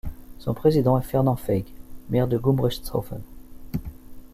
Son président est Fernand Feig, maire de Gumbrechtshoffen.